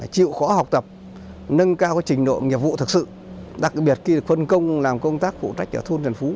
chịu khó học tập nâng cao trình độ nghiệp vụ thực sự đặc biệt khi được phân công làm công tác phụ trách ở thôn trần phú